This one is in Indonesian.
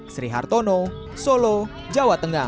sri hartono solo jawa tengah